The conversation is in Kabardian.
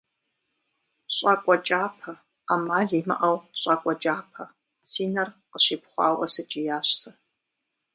ЩӀакӀуэ кӀапэ! Ӏэмал имыӀэу, щӀакӀуэ кӀапэ! – си нэр къыщипхъуауэ сыкӀиящ сэ.